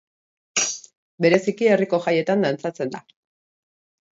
Bereziki herriko jaietan dantzatzen da.